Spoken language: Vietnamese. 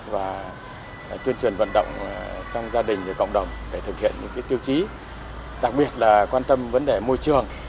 và tuyên truyền vận động trong gia đình và cộng đồng để thực hiện những tiêu chí đặc biệt là quan tâm vấn đề môi trường